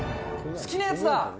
好きなやつだ。